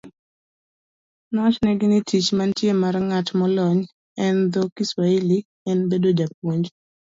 Nowachnigi ni tich manitie mar ng'at molony e dho Kiswahili en bedo japuonj